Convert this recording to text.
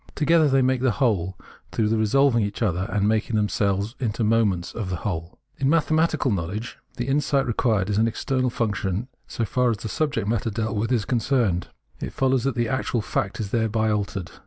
Together they make the whole, through their resolving each other, and making themselves into moments of the whole. 40 Phenomenology of Mind In mathematical knowledge the insight required is an external function so far as the subject matter dealt with is concerned. It follows that the actual fact is thereby altered.